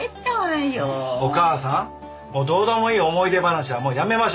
お母さんどうでもいい思い出話はもうやめましょう。